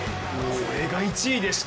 これが１位でした。